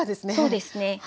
そうですねはい。